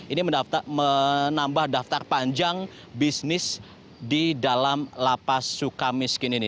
ini menambah daftar panjang bisnis di dalam lapas suka miskin ini